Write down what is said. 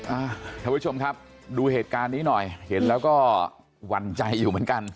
ท่านผู้ชมครับดูเหตุการณ์นี้หน่อยเห็นแล้วก็หวั่นใจอยู่เหมือนกัน